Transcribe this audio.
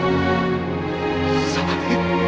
jangan mas said